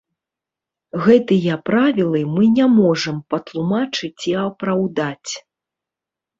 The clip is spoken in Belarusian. Гэтыя правілы мы не можам патлумачыць і апраўдаць.